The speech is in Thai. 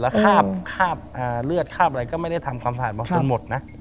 แล้วคาบเลือดคราบอะไรก็ไม่ได้ทำความสะอาดบางคนหมดนะ